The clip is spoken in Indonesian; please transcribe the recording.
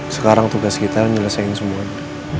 sekarang tugas kita menyelesaikan semuanya